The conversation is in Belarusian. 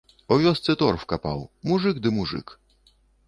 У вёсцы торф капаў, мужык ды мужык.